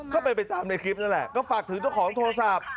ก็เป็นไปตามในคลิปนั่นแหละก็ฝากถึงเจ้าของโทรศัพท์